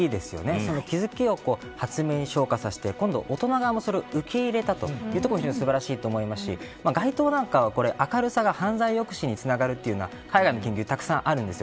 その気付きを発明に昇華させてそれを大人が受け入れたところが素晴らしいと思いますし街灯などは、明るさが犯罪抑止につながるという海外の研究でたくさんあるんですよ。